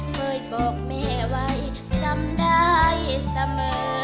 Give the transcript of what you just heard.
เคยบอกแม่ไว้จำได้เสมอ